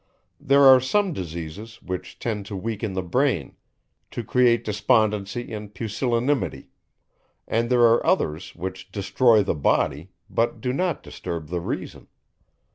There are some diseases, which tend to weaken the brain; to create despondency and pusillanimity; and there are others, which destroy the body, but do not disturb the reason.